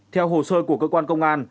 theo hồ sơ của cơ quan công an